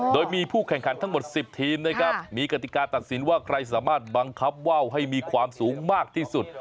โดยมีผู้แข่งขันทั้งหมด๑๐ทีมนะครับมีกติกาตัดสินว่าใครสามารถบังคับว่าวให้มีความสูงมากที่สุด